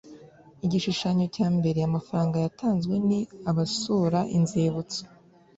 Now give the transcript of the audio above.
Igishushanyo cya mbere Amafaranga yatanzwe n abasura inzibutso